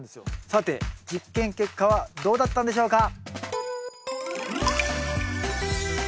さて実験結果はどうだったんでしょうか？